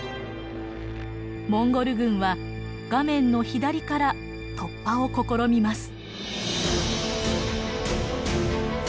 モンゴル軍は画面の左から突破を試みます。